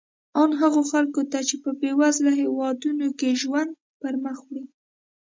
ان هغو خلکو ته چې په بېوزلو هېوادونو کې ژوند پرمخ وړي.